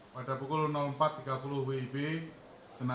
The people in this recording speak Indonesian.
ya dalam pendalaman